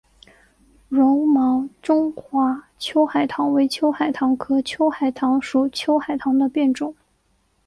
柔毛中华秋海棠为秋海棠科秋海棠属秋海棠的变种。